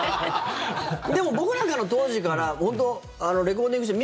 でも僕なんかの当時から本当レコーディングしてて